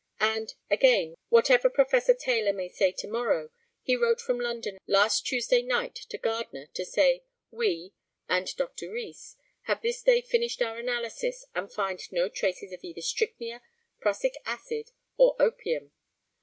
And, again, whatever Professor Taylor may say to morrow, he wrote from London last Tuesday night to Gardner to say, 'We (and Dr. Rees) have this day finished our analysis, and find no traces of either strychnia, prussic acid, or opium.